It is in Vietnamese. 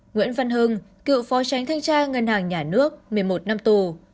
nguyễn văn hưng cựu phó tránh thanh tra ngân hàng nhà nước một mươi một năm tù